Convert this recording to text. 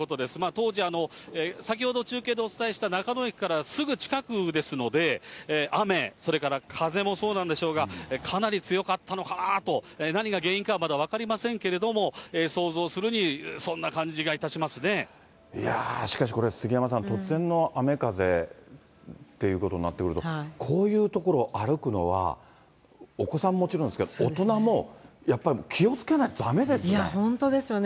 当時、先ほど中継でお伝えした中野駅からすぐ近くですので、雨、それから風もそうなんでしょうが、かなり強かったのかなと、何が原因かはまだ分かりませんけれども、想像するに、そんな感じがいたしいやー、しかしこれ、杉山さん、突然の雨風ということになってくると、こういう所を歩くのは、お子さんはもちろんですけど、大人もやっぱり、いや、本当ですよね。